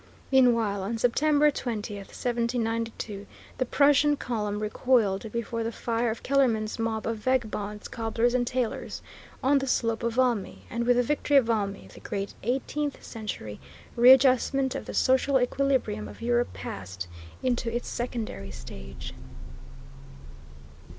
Meanwhile, on September 20, 1792, the Prussian column recoiled before the fire of Kellermann's mob of "vagabonds, cobblers and tailors," on the slope of Valmy, and with the victory of Valmy, the great eighteenth century readjustment of the social equilibrium of Europe passed into its secondary stage.